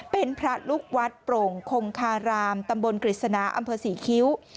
เป็นพระลูกวัดโปร่งคงคารามตำบลกฤษณาอำเภอศรีคิ้ว